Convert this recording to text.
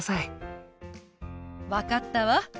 分かったわ。